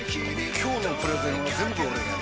今日のプレゼンは全部俺がやる！